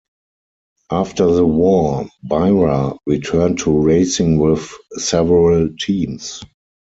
After the war, Bira returned to racing with several teams.